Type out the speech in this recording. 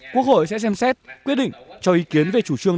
quốc hội sẽ xem xét quyết định cho ý kiến về chủ trương